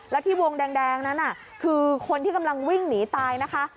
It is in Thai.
แล้วที่วงแดงนั้นคือคนที่กำลังวิ่งหนีตายนะคะ